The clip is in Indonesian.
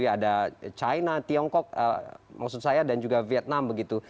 ada china tiongkok dan juga vietnam